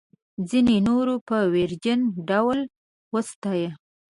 ځینو نورو په ویرجن ډول وستایه.